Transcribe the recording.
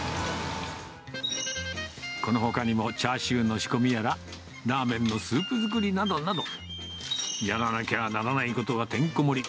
このほかにもチャーシューの仕込みやら、ラーメンのスープ作りなどなど、やらなきゃならないことがてんこ盛り。